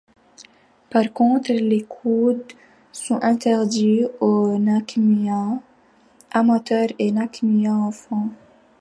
Par contre, les coudes sont interdits aux nakmuays amateurs et nakmuays enfants.